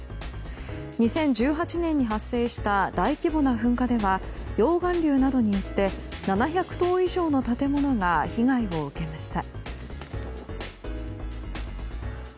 ２０１８年に発生した大規模な噴火では溶岩流などによって７００棟以上の建物が被害を受けました。